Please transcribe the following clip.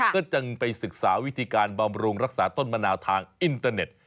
ก็จึงไปศึกษาวิธีการบำรุงรักษาต้นมะนาวทางอินเตอร์เน็ต